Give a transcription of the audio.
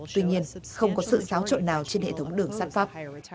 tuy nhiên không có sự giáo trộn nào trên hệ thống đường sát pháp